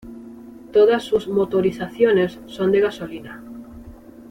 Todas sus motorizaciones son de gasolina.